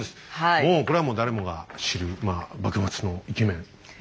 もうこれはもう誰もが知るまあ幕末のイケメンね。